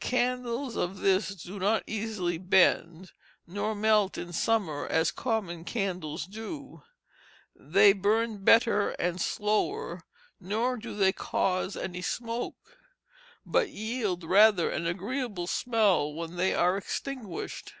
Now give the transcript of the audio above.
Candles of this do not easily bend, nor melt in summer as common candles do; they burn better and slower, nor do they cause any smoke, but yield rather an agreeable smell when they are extinguished.